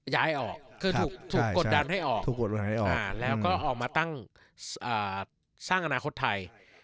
ย้ายออกคือถูกกดดันให้ออกแล้วก็ออกมาตั้งอนาคตไทย